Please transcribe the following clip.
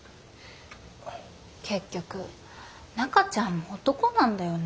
結局中ちゃんも男なんだよね。